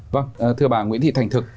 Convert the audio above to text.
vâng thưa bà nguyễn thị thành thực